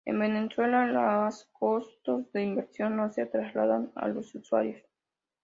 En Venezuela las costos de inversión no se trasladan a los usuarios.